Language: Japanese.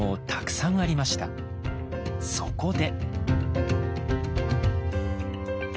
そこで。